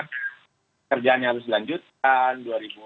kerjaan yang harus dilanjutkan